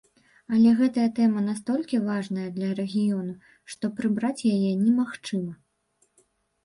Але гэтая тэма настолькі важная для рэгіёну, што прыбраць яе немагчыма.